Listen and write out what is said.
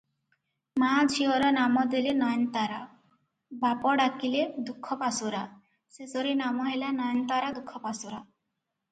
ମା ଝିଅର ନାମ ଦେଲେ, ନୟନତାରା- ବାପ ଡାକିଲେ ଦୁଃଖପାସୋରା- ଶେଷରେ ନାମ ହେଲା ନାୟନତାରା ଦୁଃଖପାସୋରା ।